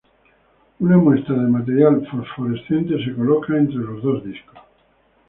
Una muestra de material fosforescente se coloca entre los dos discos.